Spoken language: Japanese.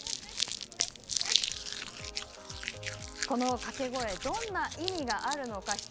この掛け声どんな意味があるのか。